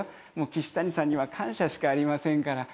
キシタニさんには感謝しかありませんから。